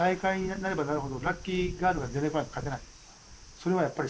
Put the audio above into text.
それはやっぱり。